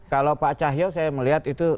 kalau pak cahyo saya melihat itu